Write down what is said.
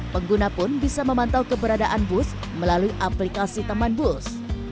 pengguna pun bisa memantau keberadaan bus melalui aplikasi teman bus